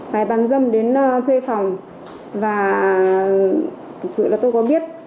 bài bán dâm đến thuê phòng và thực sự là tôi có biết